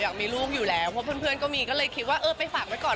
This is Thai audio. อยากมีลูกอยู่แล้วเพราะเพื่อนก็มีก็เลยคิดว่าเออไปฝากไว้ก่อน